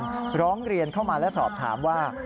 ที่ร้องเรียนร้องเรียนเข้ามาแล้วสอบถามว่า